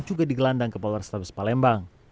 juga digelandang ke polrestabes palembang